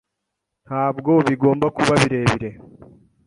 Ntabwo bigomba kuba birebire